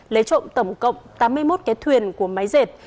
lấy trộm tổng cộng tám mươi một cái thuyền của máy dệt